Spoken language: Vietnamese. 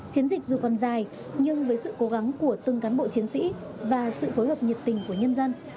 chiến dịch dù còn dài nhưng với sự cố gắng của từng cán bộ chiến sĩ và sự phối hợp nhiệt tình của nhân dân